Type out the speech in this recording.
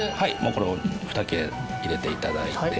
これを２切れ入れていただいて。